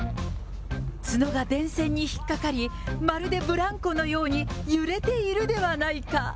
角が電線に引っかかり、まるでブランコのように揺れているではないか。